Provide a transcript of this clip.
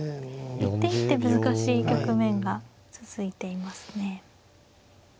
一手一手難しい局面が続いていますね。